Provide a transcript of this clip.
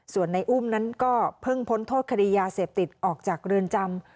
ส่วนในอุ้มนั้นก็เพิ่งพ้นโทษคดียาเสพติดออกจากเรือนจำ